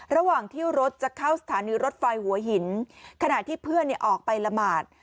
ระหว่างที่รถจะเข้าสถานีรถไฟหัวหินขณะที่เพื่อนออกไปละหมาด